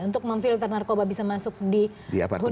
untuk memfilter narkoba bisa masuk di hunian tersebut